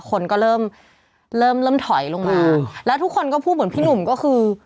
คนก็เริ่มเริ่มเริ่มถอยลงมาแล้วทุกคนก็พูดเหมือนพี่หนุ่มก็คือ